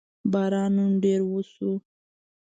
باران نن ډېر وشو